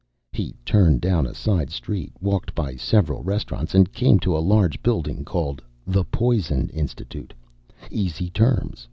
He turned down a side street, walked by several restaurants, and came to a large building called THE POISON INSTITUTE (_Easy Terms.